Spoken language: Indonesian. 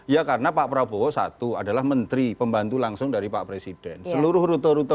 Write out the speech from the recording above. ya karena pak prabowo satu adalah menteri pembantu langsung dari pak presiden seluruh rute rute